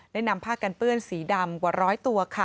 นำผ้ากันเปื้อนสีดำกว่าร้อยตัวค่ะ